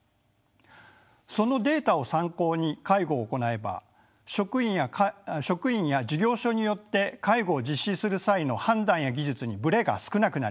そのデータを参考に介護を行えば職員や事業所によって介護を実施する際の判断や技術にブレが少なくなります。